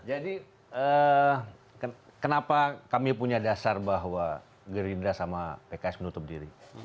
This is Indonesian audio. jadi kenapa kami punya dasar bahwa gerindra sama pks menutup diri